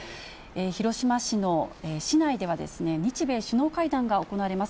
広島市の市内では、日米首脳会談が行われます。